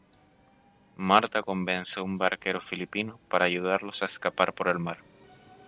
Marta convence a un barquero filipino para ayudarlos a escapar por el mar.